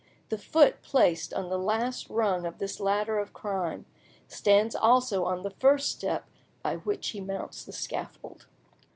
The foot placed on the last rung of this ladder of crime, stands also on the first step by which he mounts the scaffold.